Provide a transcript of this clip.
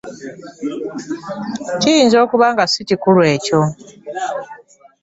Kiyinza okuba nga si kikulu ekyo.